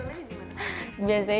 biasanya jualnya di mana